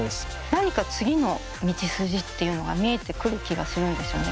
何か次の道筋っていうのが見えてくる気がするんですよね。